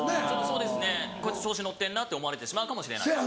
そうですねこいつ調子乗ってんなって思われてしまうかもしれない。